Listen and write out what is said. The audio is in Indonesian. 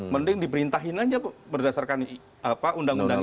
mending diperintahin aja berdasarkan undang undang ini